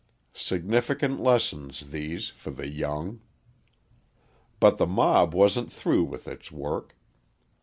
Significant lessons, these, for the young! But the mob wasn't through with its work.